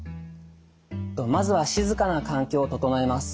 まずは静かな環境を整えます。